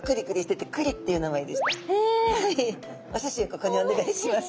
ここにおねがいします。